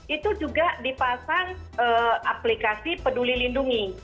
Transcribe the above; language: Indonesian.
itu juga dipasang aplikasi peduli lindungi